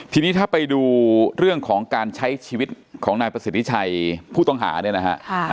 ทีนี้ถ้าไปดูเรื่องของการใช้ชีวิตของนายประสิทธิชัยผู้ต้องหาเนี่ยนะฮะ